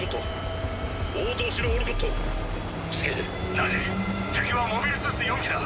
ナジ敵はモビルスーツ４機だ。